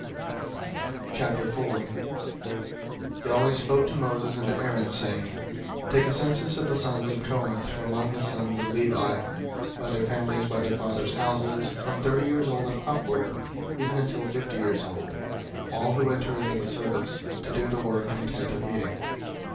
004:001 Yahweh spoke to Moses and to Aaron, saying, 004:002 "Take a census of the sons of Kohath from among the sons of Levi, by their families, by their fathers' houses, 004:003 from thirty years old and upward even until fifty years old, all who enter into the service, to do the work in the Tent of Meeting.